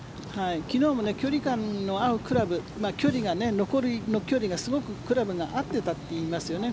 昨日も距離感の合うグラブ残りの距離がすごくクラブが合っていたといいますね。